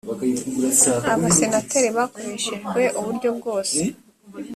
abasenateri bakoreshejwe uburyo bwose